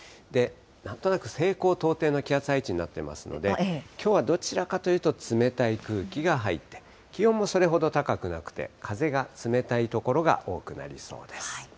なんとなく西高東低の気圧配置になっていますので、きょうはどちらかというと、冷たい空気が入って、気温もそれほど高くなくて、風が冷たい所が多くなりそうです。